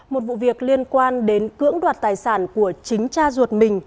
một vụ việc liên quan đến cưỡng đoạt tài sản của chính cha ruột mình